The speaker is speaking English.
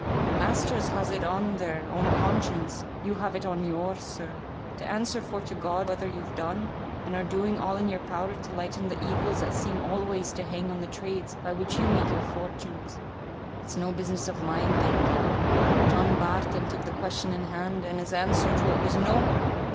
The masters has it on their own conscience, you have it on yours, sir, to answer for to God whether you've done, and are doing all in your power to lighten the evils that seem always to hang on the trades by which you make your fortunes. It's no business of mine, thank God. John Barton took the question in hand, and his answer to it was NO!